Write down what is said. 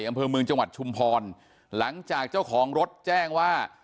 อำเภอเมืองจังหวัดชุมพรหลังจากเจ้าของรถแจ้งว่า